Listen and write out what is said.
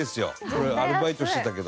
俺アルバイトしてたけど。